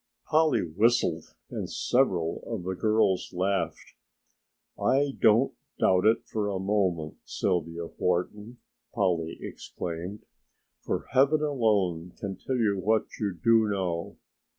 Polly whistled and several of the girls laughed. "I don't doubt it for a moment, Sylvia Wharton!" Polly exclaimed, "for heaven alone can tell what you do know!